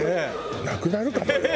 なくなるかもよ。